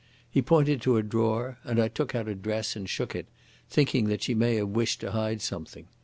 He pointed to a drawer, and I took out a dress and shook it, thinking that she may have wished to hide something.